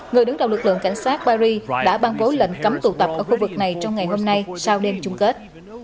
người đứng đầu lực lượng cảnh sát paris đã ban bố lệnh cấm tụ tập ở khu vực này trong ngày hôm nay sau đêm chung kết